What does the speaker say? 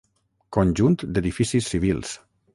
Conjunt d'edificis civils.